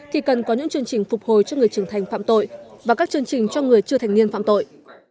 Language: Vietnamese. thì cần có những chương trình phục hồi cho người trưởng thành phạm tội và các chương trình cho người chưa thành niên phạm tội